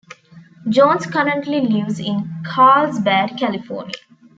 Jones currently lives in Carlsbad, California.